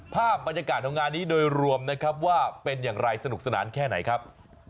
ภาพบรรยากาศของงานนี้โดยรวมนะครับว่าเป็นอย่างไรสนุกสนานแค่ไหนครับ